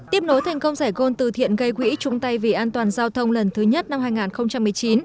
tiếp nối thành công giải gôn từ thiện gây quỹ trung tây vì an toàn giao thông lần thứ nhất năm hai nghìn một mươi chín